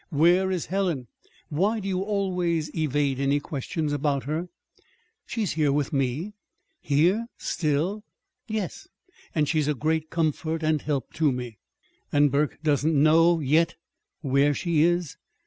Where is Helen? Why do you always evade any questions about her?" "She is here with me." "Here still?" "Yes. And she's a great comfort and help to me." "And Burke doesn't know yet where she is?"